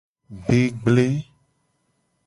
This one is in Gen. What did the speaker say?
Be gble.